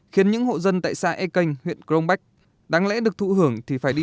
khiến những hộ dân tại xã e canh huyện cronbach đáng lẽ được thụ hưởng thì phải đi